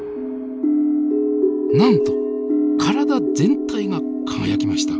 なんと体全体が輝きました！